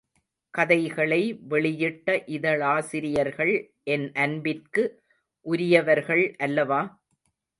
கதைகளை வெளியிட்ட இதழாசிரியர்கள் என் அன்பிற்கு உரியவர்கள் அல்லவா?